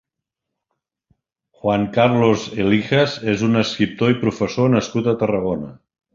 Juan Carlos Elijas és un escriptor i professor nascut a Tarragona.